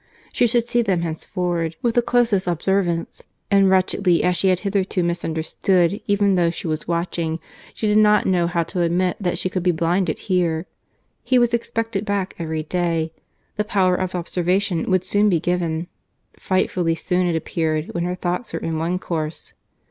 —She should see them henceforward with the closest observance; and wretchedly as she had hitherto misunderstood even those she was watching, she did not know how to admit that she could be blinded here.—He was expected back every day. The power of observation would be soon given—frightfully soon it appeared when her thoughts were in one course.